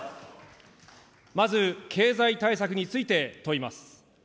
まず経済対策について問います。